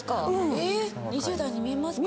２０代に見えますか？